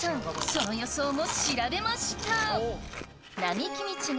その予想も調べました